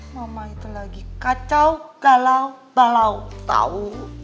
mama itu lagi kacau galau balau tahu